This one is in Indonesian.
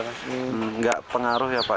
tidak pengaruh ya pak